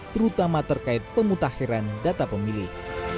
terutama terkait pemutakhiran data pemilih